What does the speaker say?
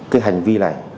cái hành vi này